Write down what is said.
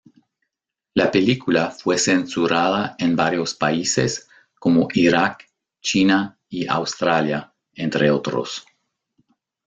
La película fue censurada en varios países, como Irak, China y Australia entre otros.